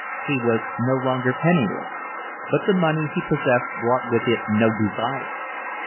He was no longer penniless; but the money, he possessed brought with it no desires.